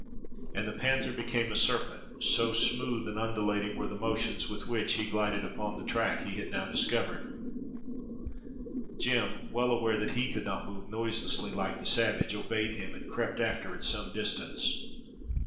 And the panther became a serpent, so smooth and undulating were the motions with which he glided upon the track he had now discovered. Jem, well aware that he could not move noiselessly like the savage, obeyed him and crept after at some distance.